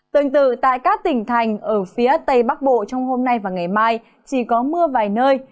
tương tự tại các tỉnh thành ở phía tây bắc bộ trong hôm nay và ngày mai chỉ có mưa vài nơi